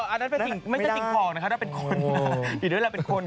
อันนั้นไม่ใช่สิ่งของนะครับอันนั้นเป็นคน